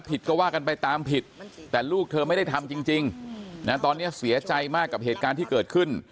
ก็ว่ากันไปตามผิดแต่ลูกเธอไม่ได้ทำจริงนะตอนนี้เสียใจมากกับเหตุการณ์ที่เกิดขึ้น